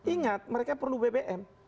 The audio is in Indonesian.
ingat mereka perlu bbm